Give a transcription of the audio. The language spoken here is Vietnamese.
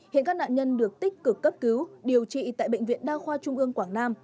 hiện các nạn nhân được tích cực cấp cứu điều trị tại bệnh viện đa khoa trung ương quảng nam